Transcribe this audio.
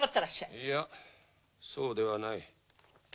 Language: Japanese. いやそうではない。